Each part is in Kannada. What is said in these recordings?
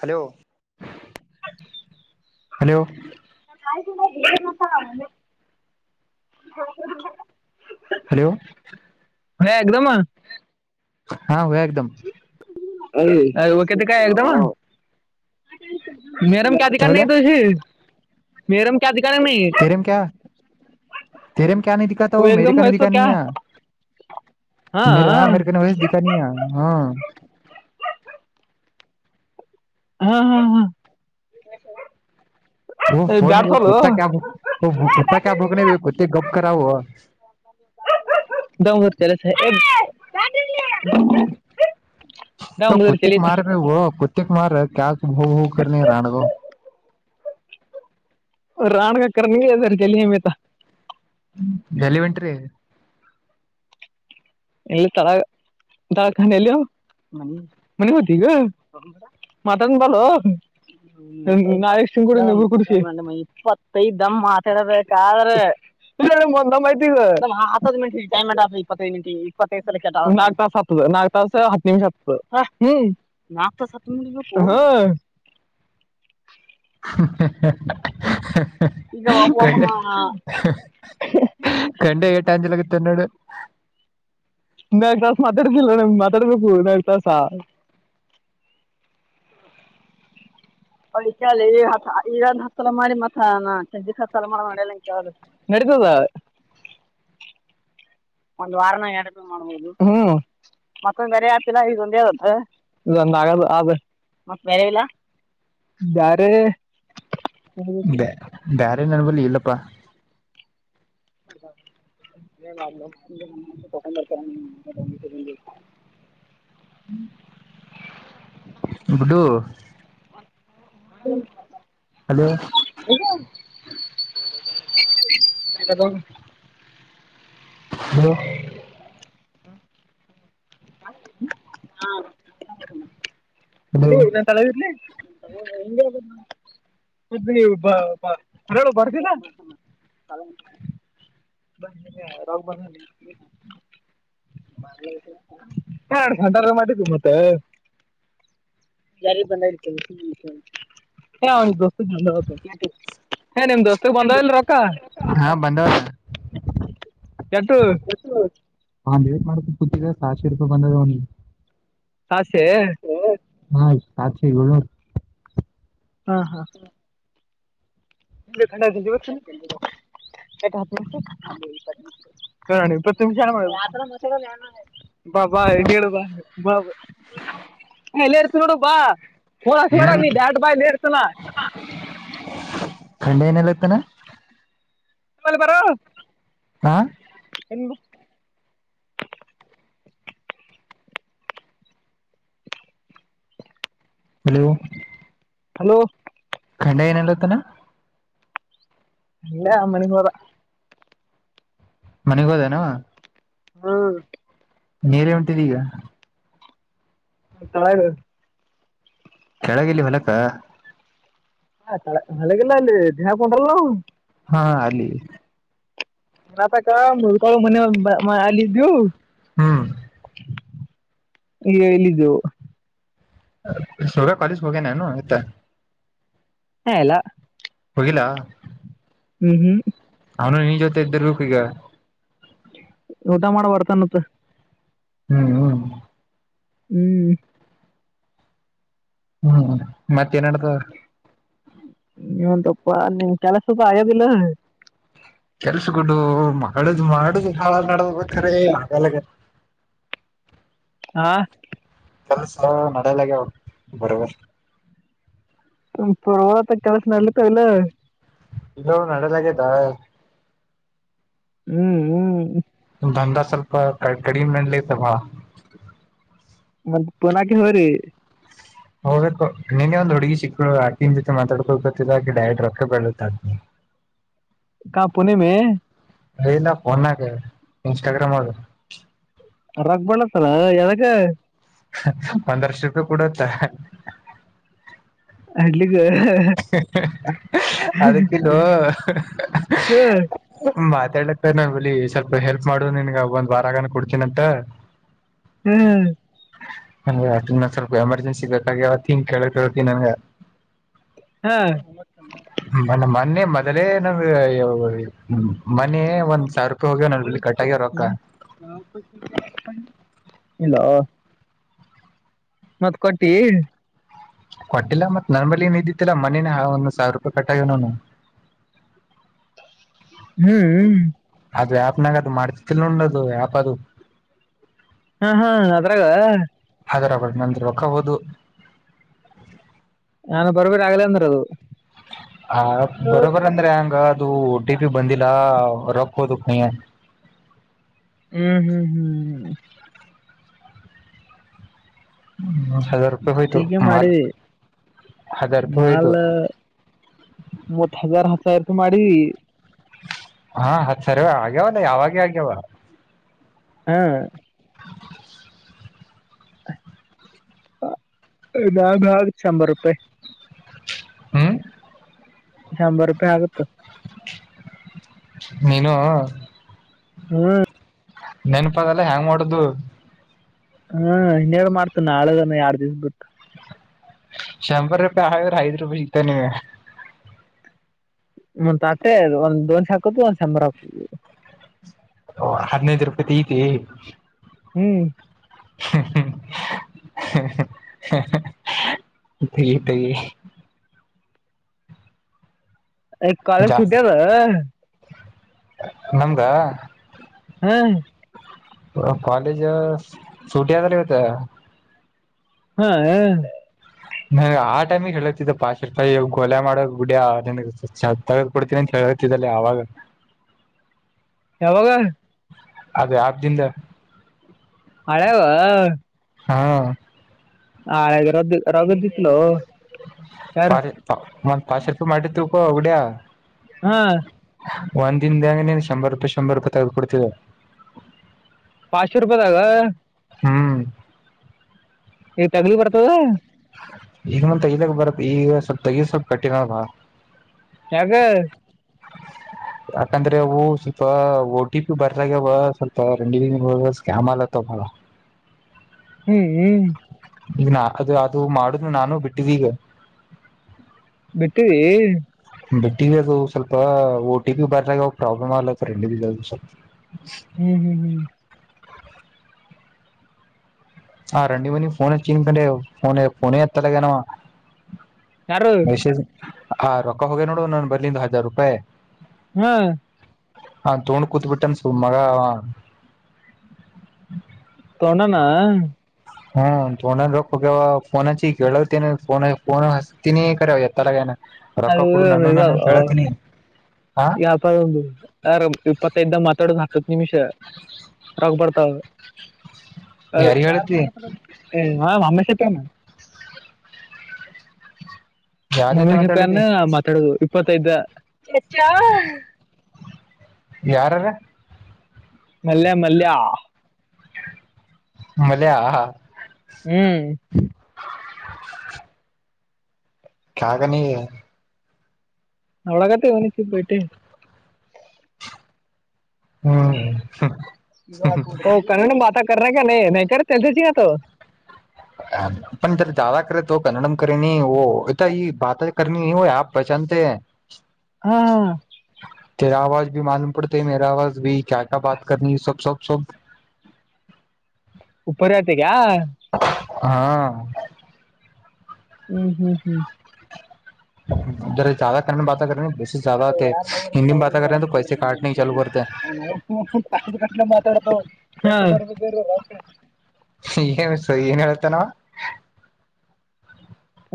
ಹಲೋ ಹಲೋ ನಸೆ ಹಲೋ ಹ ಎದಮ ಹಾ ಹ ಎದಮ ಹಕತೆ ಕಾಯದಮ ಮೇರಮ ಕದಿಕ್ಕ ತ ಮೇರಮ ಕದ.. ತೆರೆಮ ಕ ತೇರೆಮ ಕ ನೀ ದಿಖಾತ ಮೇರೆ ಕ ನೀ ದಿಖಾ ನೀ ಯ.. ಮ ಹಾ ಮೇರೆ ಕ ವಷ ದಿಖಾನ ಹಾ.. ಹಾ ಹಾ ಹಾ.. ಫನ್ ಕುಾ ಕಕ್ಕ ಭುಕ ನತ್ತ ಗಪ್ ಕಾವ ದಮರ್ ಚಲ.. ತ ಕುತ್ತ ಮಾರ ರ ಕುತ್ತಗೆ ಮಾರ ಕ ಹ ಹ ರಾಣಗ.. ರಾಣಗಕ ಇಧರ ಚಲಮ್ಮತ.. ಎಲ್ಲಿ ಉಂಟ್ರರಿ.. ಎಲ್ಲಿ ತ ತಳಖೆ ಎಲ್ಲ.. ಮನ ಹತಿಗ ಮಾತ ಭ.. ನಾ ಇಷ್ಟನ್ ಕೂಡರು ಕೂಡ ಇಪ್ಪತ್ತೈದ ದಮ್ಮ್ ಮಾತಾಡಬೇಕಾದ್ರೆ.. ಇಲ್ಲ್ಐ ಹ್ ಮಿಟಮ್ ಇಪ್ಪತ್ತೈದು ಮಿಟ.. ಹ ನಾಕ ಹತ್ತು ನಿಮಿಷ ಹ್ಮ್ ನಿಮ.. ಹ್ಮ. ಹ ಈಗ ಕಂಡ ಒಮ್ಮ ಕಂಡ ಏಟಾ ಅಂಜಲ.. ತಿನ್ನಡೆ.. ನಾ ತಾಸ ಮಾತಾಡುದಿಲ್ಲ ನಮ ಮಾತಾಡ್ಬೇಕು ನಾ ತಾಸಾ.. ಹ ಈ ಈ್ ಹಲ ಮಾಡಿ ಮತ್ತ ಚಜ ಹತ್ತಲ ಮಾಡ ಮಾಡಲ್ಲ.. ಇದ. [inaudible] ಒಂದ್ ವಾರನ ಎಟ ಮಾಡ್ಬೋದು ಮತ್ತೊಂದ್ ಬರಿ ಆತಿಿಲ್ಲ ಈಗೊಂದೇದತ್ತ ಆ ಬಾರೆ. ಬ ಬೇರೆ ನನ್ ಬಲ್ಲಿ ಇಲ್ಲಪ್ಪಾ. ಹ ರ್ತ. ಹ್ಮ್. ಬಡು ಹ್ಮ್ ಹಲೋ. ಹಾ ಅ. ಹ್ಮ. ಹಲೋ ಇಲ್ಲಿ ಇದನ್ ತಳದರ್ಲಿ.. ಮದರ ಬರ್ತಿನ.. ಬ ರೋಗ ಬಧ. ಹಡ್ಂಟ ಮಾಡಿದ್ದು ಮತ್ತೆ.. ಯಾರ ಬಂದ ಇಡ್ತದೆ.. ಹ ಅವ್ ದೋಸ್ತ ಬಂದ ನಿಮ್ ದೋಸ್ತಕ್ ಬಂದವಲ್ ರೊಕ್ಕ.. ಹಂಡ. ಕೆಟ್ಟು. ಒಂದ ಏನ್ ಮಾಡ್ಬೇಕು ಕೂತ್ರ ಸಾರ್ಶ ರೂಪಾಯಿ ಬಂದ ಒ್ಲ.. ಆಸೆ. ಹಾ ಸಾಚೀ ಗಣು.. ಹಾ ಹಾ.. ನಿ ಖಂಡವ.. ಕ ಹತ್ ಶ.. ಬಾ ಬಾ ಬಾ ಬಾ ಬ ಎಲ್ಲರ್ತ ನೋಡು ಬಾ ೋಡ ೋಡ ಏನ್ ನೀ ದಾಡ್ ಬಾಯ್ ನೇರ್ತನ ಏನ್ ಏನಲತನೆ ಬರ್ ಬರೋ ಆ ಹ ಹಲೋ ಹಲೋ ಖಂಡ ಏನೆಲ್ಲತಾನ ಅಲ್ಲ ಅಮ್ಮನಿರೊ ಮನೆಗ್ ಹೋದೇನೋ ಹಾ ನೀರೇ ಉಂಟಿದ ಈಗ ಹ ತ ಕೆಳಗಲ್ಲಿ ಮನಕ ಹ ತಳ ಹಗಲ್ಲ ಅಲ್ಲಿ ದಹ ಕೊಂಡಲ್ಲ ಹಾ ಅಲ್ಲಿ ತತ ಕಾಮ ಮನೆ ಆಲಿದು ಹ್ಮ್ ಎಲ್ಲಿದೆಯೋ ಸರ ಕಾಲೇಜ್ ಹೋಗೇನನು ಇತ್ತ ಹಾ ಎಲ್ಲ ಹೋಗಿಲ್ಲಾ ಹ್ಮ್ ಹ್ಮ್ ಅವನು ನೀ ಜೊತೆ ಇದ್ದಿರ್ಬೇಕು ಈಗ ಊಟ ಮಾಡ ಬರ್ತಾನತ್ ಹ್ಮ್ ಹ್ಮ್ ಹ್ಮ್ ಹ್ಮ್ ಮತ್ತ ಏನ್ಡ್ತಾವ ನಂತಪ್ಪಾ ನಿಮ್ ಕೆಲಸ ಸ್ವಲ್ಪ ಆಗೋದಿಲ್ಲ ಕೆಲ್ಸ ಕೊಡು ಮುದು್ ಮಾಡುದು್ ಹಾಳ ನಡ ಬಾರೆ ಆಾ ಕೆಲಸ ನಡಲ ಗ ಬರಬ ಪರ್ವತ ಕೆಲಸ ನಡ್ಲತ ಇಲ್ಲ ಇದು ನಡದಾಗೇದ ಹ್ಮ್ ಹ್ಮ್ ದಂದ ಸ್ವಲ್ಪ ಕ ಕಡಿಮೆ ನಲತ ಬಾ ಮತ್ತ ಪುನಕ ಹೊ ರೀ ಹೋಗ ನಿನ್ ಒಂದ ಹುಡುಗಿ ಸಿಕ್ಕ ಆಟಿನ ಜೊತೆ ಮಾತಾಡ್ಕೊಳ್ಬೇಕತೆ ಡಯಟ್ ರೊಕ್ಕ ಬೆಳತ್ತ ಆ ಕಾ ಪುಣೆೆ ಮೆ ಇನ್ ಫೋನ್ಕಗ ಇನ್ಸ್ಟಾಗ್ರಾಮ್ ಆದದು ರಕ್ಬಣಸಲ ಎದಕೆ ಪಧರಶ ರೂಪ ಕೂಡತ ಹಡ್ಲಿಕ್ಕೆ ಅದಕ್ಕೆಲ ಹ ಮಾತಾಡ್ಲಕ್ತರ್ ನಾ ಬಳಿ ಸ್ವಲ್ಪ ಹೆಲ್ಪ್ ಮಾಡುದು ನಿನ್ಗ ಒಂದ್ ವಾರಗಾನ ಕೊಡ್ತೀನಂತ ಹ್ಮ್ ನನ್ಗೆ ನ ಸ್ವಲ್ಪ ಎಮರ್ಜೆನ್ಸಿ ಬೇಕಾಗಿವತ್ತ ಹ ಕೇಳಕ್ೇಳ್ತಿ ನನ್ಗೆ ಹಾ ಮ ಮೊನ್ನೆ ಮೊದಲೇ ನಾವ್ಮ ಮನೆ ಒಂದ್ ಸಾವಿರ ರೂಪಾಯಿ ಹೋಗ್ಯವಲ್ಲಿ ಕಟ್ಟಆಮಾಗ್ಯವ ರೋಕ್ಕ ಹ್ಮ್ ಇಲ್ಲ ಮತ್ತ್ ಕೊಟ್ಟಿ ಕೊಟ್ಟಿಲ್ಲ ಮತ್ ನರ್ಮಲಿ ಏನ್ ಇದ್ದಿತ್ತಾ ಮನನ ಒಂದ ಸಾವಿರ ರೂಪಾಯಿ ಕಟ್ಟ ಇವ ನನು [inaudible] ಹ್ಮ್ ಹ್ಮ್ ಅದು ಆ್ಯಪ್ನಾಗ ಅದು ಮಾಡ್ತಿತಿಲ್ ನಂಡದು ಆಪ್ ಅದು ಹಾ ಹಾ ಅದ್ರಾಗ ಅದರಾಗ ನಂದ ರೊಕ್ಕ ಹೋದು ನಾನು ಬರ್ಬೇಗಲ ಅಂದ್ರ ಅದು ಆ ಬರೋಬರ್ ಅಂದ್ರೆ ಹಂಗ ಅದು ಟಿ ಪಿ ಬಂದಿಲ್ಲ ರೊಕ್ಕ ಹೋದಕ್ ಹ ಹ್ಮ್ ಹ್ಮ್ ಹ್ಮ್ ಹ್ಮ್ ಹ್ಮ ಹಜಾರ್ ರೂಪಾಯಿ ಹೊಯ್ತು ಟೀಕೆ ಮಾಲ್ ಮಾಡಿವಿ ಹಜಾರ್ ರೂಪಾಯಿ ಹೋಯ್ತು ಮಾಲ್ ಮೂವತ್ ಹಜಾರ್ ಹಸರ್ತ ಮಾಡಿ ಹಾ ಹತ್ ಸರಿ ಆಗ್ಯವಲ್ಲ ಯಾವಾಗ ಆಗ್ಯಾವ ಹಾ್ ನಾಗ ಆ ಶಂಬರ್ ರೂಪಾಯಿ ಹ್ಮ್ ಶಂಭರ ರೂಪಾಯಿ ಆಗುತ್ತ ನೀನು ಹ್ಮ್ [inaudible] ನೆನಪಗಲ್ಲ ಹೇಗ್ ಮಾಡೋದು. ಹ್ಮ ಇನ್ನೇಳ ಮಾಡ್ತ ನಾಳೆ ನಾಡದು ಐರಡು ದಿವಸ ಬಿಡ್ತು. ಶಂಭರ್ ರೂಪ ಆ ಹ ಐದು ರೂಪಿ ಈಗ ತಾನೆ ಮತ್ ಆಟೆ ಒಂದ್ ದೋಸೆ ಹಾಕುದು ಒಂದ್ ಸಾಂಬಾರ್ ಹಾಕುದು. ಓ ಹದಿನೈದು ರೂಪಾಯಿದ ಐತಿ ಹ್ಮ್ ಹೂ ಹು [unintelligible] ಲೈಟ್ ಆಗಿ [unintelligible] ಕಾಲೇಜ್ ಸುಟಿಯದ [unintelligible] ನಮಗ ಹಾ ಕಾಲೇಜ್ ಸೂಟಿ ಆದ್ರಿ ಇವತ್ ಹಾ ನಂ ಆ ಟೈಮಗ್ ಹೇಳತಿದ್ದ ಪಶೀಶ್ ಕೊಲೆ ಮಾಡೋನ ಬಿಡಿ ಪಶೀಶ್ ಭಾಯಿ ಏ [unintelligible] ಹೇಳ [unintelligible] ಕಗತಿದ್ದಲ್ಲ ಅವಾಗ ಯಾವಾಗ ಅದ ಯಾಪ್ ದಿದ ಹಳೆವ ಹಾ ಹಾ ರ ರಗ ಜತ್ಲು [unintelligible] ಪ ಮ ಪಸ [unintelligible] ರೂಪೆ ಮಾಡಿ ತಿಳಕೋ ಉಡಿಯ ಹಾ ಒಂದ್ ದಿನದಾಗ ನೀನ್ ಶಂಬರ್ ರೂಪಾಯಿ ಶಂಬರ್ ರೂಪಾಯಿ ತಗ್ದ ಕೊಡ್ತೀವಿ [unintelligible] ಪಚ್ಶ ರೂಪಾಯಿದಾಗ ಹ್ಮ್ ಈಗ ತಗಲಿ ಬರ್ತದ ಈಗನು ತೆಗಿಬೇಕ್ ಬರತ್ ಈಗ ಸ್ವಲ್ಪ್ ತಗೀ ಸ್ವಲ್ಪ್ ಕಠಿಣ ಬಾ ಯಾಕ್ [inaudible] ಯಾಕಂದ್ರೆ ಒ ಸ್ವಲ್ಪ ಓ ಟಿ ಪಿ ಬರ್ದಾಗ್ಯವ ಸ್ವಲ್ಪ ರಿನೀವ್ ಸ್ಕ್ಯಾಮ್ ಆಗತವ ಹ [inaudible] ಹ್ಮ್ ಹ್ಮ್ ಈಗ ನಾ ಅದು ಅದು ಮಾಡುದು ನಾನು ಬಿಟ್ಟಿದ್ದೀವಿ. ಬಿಟ್ಟವಿ ಬಿಟ್ಟಿದ್ದ ಅದು ಸ್ವಲ್ಪ ಓ ಟಿ ಪಿ ಬರದಾಗ ಅವ ಪ್ರಾಬ್ಲಮ್ ಆಗ್ಲತ್ ರಂಡ ಅದು ಸ್ವಲ್ಪ ಹ್ಮ್ ಹ್ಮ್ ಹ್ಮ್ ಹಾ ರಂಡಿ ಮನ್ನಿಫೋನ್ ಹೆಚ್ಚಿನ್ಕ ಫೋನ್ಫೋನ ಎತ್ತಲ್ಲ ಯಾರು ಮೆಸೇಜ್ ಆ ರೊಕ್ಕ ಹೋಗೇ ನೋಡು ನಾನು ಬರ್ಲಿಂದು ಹದಿನೈದು ರೂಪಾಯಿ ಹ್ಮ್ ಹಾ ತೋಣ ಕೂತ್ ಬಿಟ್ಟಾನ ಸಮ್ ಮಗ ಅವ ದೊಡ್ಡಣ್ಣ. ಹ್ಮ ತೋನ ರವ ತೊನ ಫೋನ್ ಹಚ್ಚಿ ಕೇಳತೀನಿ ಫೋನ್ ಫೋನ ಹಚ್ಚುತ್ತೀನಿ ಕರೆ ಎತ್ತತಲ್ಲ ಕ [unintelligible] ಅದು [unintelligible] ಹಾ ಯಾಪ್ ಇದು ರ ಇಪ್ಪತ್ತೈದ ದ ಮಾತಾಡದು ಹತ್ತತ್ತು ನಿಮಿಷ ರಕ್ಬರ್ ಬಾರ್ ಹೌದು ಯಾರಿಗ್ ಹೇಳತಿ ಹೌದು ಎ [unintelligible] ಯಾರ್ ಜೊತೆ ಮಮ್ಮಿಗೆ ಮಾತಾಡ್ಲತಿ ಪ್ಯಾನು ಮಾತಾಡುದು ಇಪ್ಪತ್ತೈದ ಹೆಚ್ಚಾ ಯಾರ್ಯಾರು ಮಲ್ಲಯ ಮಲ್ಲಯಾ ಮಳ ಹ್ಮ್ [inaudible] ಕಾಗ ನೀ ಅವಳಾಗತೆ ನಿಸಿಬಯಟ್ಟೆ ಹ್ಮ್ ಕನ್ನಡ ಮಾತ ಗ ನೀ ನ ಕತ ಜಗತ ಜ ಜಾ ಕೆ ಕನ್ನಡಮ್ನೀ ಈ ಬತ ನೀ ಆ ಪ್ರಚ ತರ ಆವಾಜ ಮಾಾಲೂಮ ಪಡ್ಡತ ಮೇರ ಆವಾಜ ಭ ಕ ಕಾ ಬತ ಸಬ್ ಸ ಸ ಉಪ್ಪರಯಾತಿಗೆ ಹಾ ಹ್ಮ್ ಹ್ಮ್ ಹ್ಮ್ ಉರ ಜಾದ ಕ ಬತೇ ಅವ ಯಾರ್ ಅವ್ರಗ ಮಾತಾ ಹ ಏನ್ ಏನ್ ಹೇಳ್ತ ನಾವ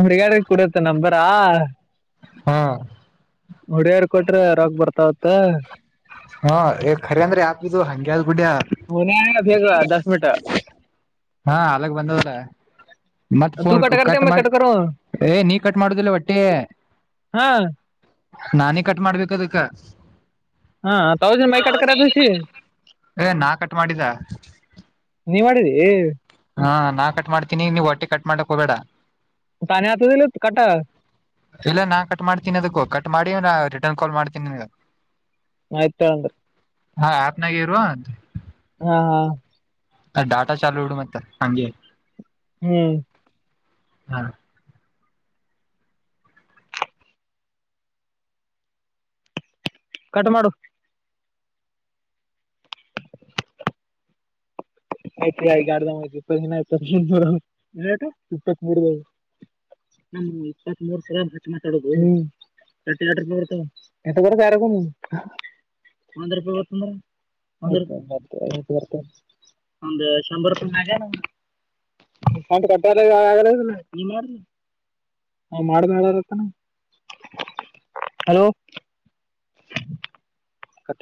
ಉ್ರಗಡೆ ಕುೂಡತ್ತ ನಬರಾ ಹಾ ಹೊಡ್ಯಾರ್ ಕೊಟ್ರೆ ರಾಗ ಬರ್ತಾವತ್ತ ಹಾ ಖರಿ ಅಂದ್ರೆ ಯಾಕ್ದುಹಂಗಗೆ ಅದ ಗುಡ ಮನ್ಯಾಗ ಬೇಗ ದಸ್ ಮಿನಿಟ್ ಹಾ ಅಲಗ್ ಬಂದ ಮತ್ತತ್ ತೂ ಫೋನ್ ಕಟ್ಕರ್ತೆ ಕಟ್ ಮೈ ಮಾಡ ಕಟ್ಕರು ಏ ನೀ ಕಟ್ ಮಾಡುದಿಲ್ಲ ಒಟ್ಟೆ ಹಾ ನಾನೇ ಕಟ್ ಮಾಡ್ಬೇಕ ಅದಕ್ಕ ಹಾ ತೌಸಂಡ್ ಮೈ ಕಟ್ಕರ ತುಷಿ ಏ ನಾ ಕಟ್ ಮಾಡಿದ ನೀವ್ ಮಾಡ್ರಿ ಹಾ ನಾ ಕಟ್ ಮಾಡ್ತೀನಿ ನೀವು್ ಹೊಟ್ಟೆ ಕಟ್ ಮಾಡಕ್ ಹೋಗ್ಬೇಡ ತಾನೇ ಆತದಿಲ್ಲ ಕಟ ಇಲ್ಲ ನಾನ್ ಕಟ್ ಮಾಡ್ತೀನಿ ಅದಕ್ಕೂ ಕಟ್ ಮಾಡಿ ರಿಟರ್ನ್ ಕಾಲ್ ಮಾಡ್ತೀನಿ ನಿಂಗ ಆಯ್ತಂದ್ರರಿ ಹಾ ಆಪನಾಗೆ ಇರು ಹಾ ಹಾ ಅ ಡಾಟಾ ಚಾಲೂ ಇಡು ಮತ್ತ ಹೆ ಹ್ಮ್ ಹಾ ಕಟ್ ಮಾಡು ಆಯ್ತ್ ಆ ಆಡ್ದ ಇಪ್ಪಿನ ಇಪ್ಪತ್ ಮೂಡದು ನಮ್ಮ ಇಪ್ಪತ್ತ್ ಮೂರ್ ಸಲ ರ್ಚ ಮಾತಾಡುದು [unintelligible] ಮಾದ ರೂಪಾಯಿ ಬತಂದ್ರಾಯತ ಒಂದು ಶಂಬರ್ ರೂಪಾಯಿ ಕಂಡ ಕಟ್ಟಲ [unintelligible] ಹ ಮಾಡ್ದ ಮಾಡಾರತ್ತನಾ ಹಲೋ ಕಟ್ಟ